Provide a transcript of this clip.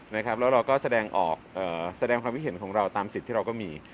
แล้วเราก็แสดงออกแสดงความคิดเห็นของเราตามสิทธิ์ที่เราก็มี